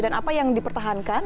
dan apa yang dipertahankan